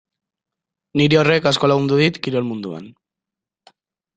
Niri horrek asko lagundu dit kirol munduan.